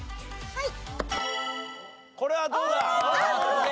はい！